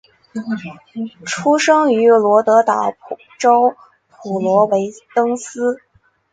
出生于罗德岛州普罗维登斯。